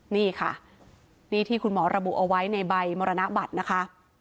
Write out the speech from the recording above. นี่ค่ะนี่ที่คุณหมอระบุเอาไว้ในใบมรณบัตรนะคะ